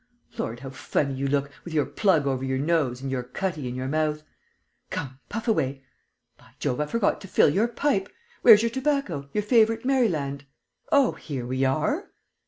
Lord, how funny you look, with your plug over your nose and your cutty in your mouth. Come, puff away. By Jove, I forgot to fill your pipe! Where's your tobacco, your favourite Maryland?... Oh, here we are!..."